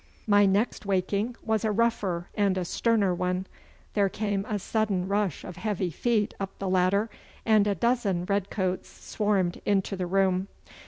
My next waking was a rougher and a sterner one. There came a sudden rush of heavy feet up the ladder, and a dozen red coats swarmed into the room.